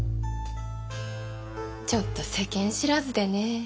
ちょっと世間知らずでね。